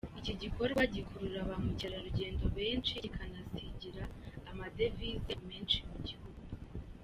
Iki gikorwa gikurura ba mukerarugendo benshi, kikanasigira amadevize menshi igihugu.